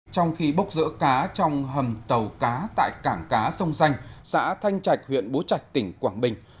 trong khi bốc dỡ cá trong hầm tàu cá tại cảng cá sông danh xã thanh trạch huyện bố trạch tỉnh quảng bình